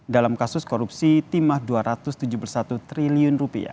dalam kasus korupsi timah rp dua ratus tujuh puluh satu triliun